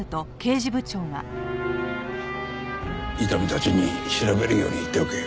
伊丹たちに調べるように言っておけよ。